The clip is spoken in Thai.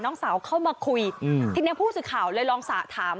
น้องสาวเข้ามาคุยอืมทีนี้ผู้สื่อข่าวเลยลองสระถาม